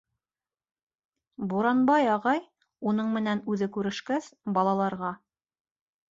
Буранбай ағай, уның менән үҙе күрешкәс, балаларға: